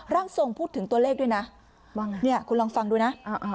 ร่างทรงพูดถึงตัวเลขด้วยนะคุณลองฟังดูนะ